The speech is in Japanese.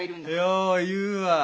よう言うわ。